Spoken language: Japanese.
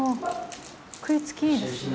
食い付きいいですね。